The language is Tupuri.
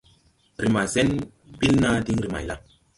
Re ma sen ɓil naa diŋ re mayla? ».